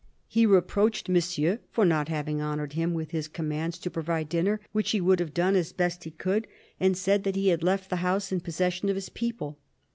He reproached Monsieur for not having honoured him with his commands to provide dinner, which he would have done as best he could, and said that he had left the house in possession of his people.